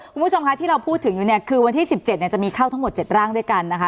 คุณผู้ชมคะที่เราพูดถึงอยู่เนี่ยคือวันที่๑๗จะมีเข้าทั้งหมด๗ร่างด้วยกันนะคะ